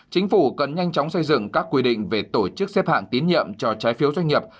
chính phủ cần nhanh chóng xây dựng các quy định về tổ chức xếp hạng tín nhiệm cho trái phiếu doanh nghiệp